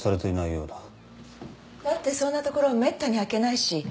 だってそんなところめったに開けないし。